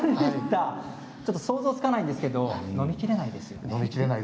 想像つかないんですが飲みきれないですよね。